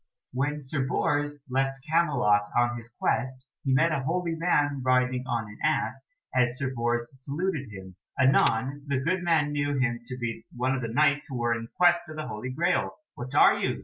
When Sir Bors left Camelot on his quest he met a holy man riding on an ass, and Sir Bors saluted him. Anon the good man knew him to be one of the Knights who were in quest of the Holy Graal. "What are you?"